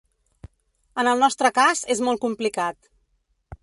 En el nostre cas, és molt complicat.